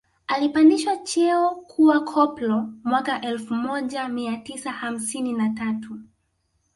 Alipandishwa cheo kuwa koplo mwaka elfu moja mia tisa hamsini na tatu